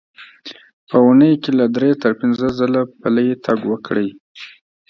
په اوونۍ کې له درې تر پنځه ځله پلی تګ وکړئ.